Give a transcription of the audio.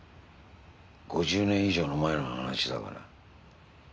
５０年以上前の話だから。